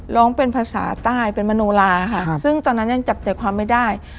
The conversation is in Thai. ร้องเป็นภาษาใต้เป็นมโนลาค่ะซึ่งตอนนั้นยังจับใจความไม่ได้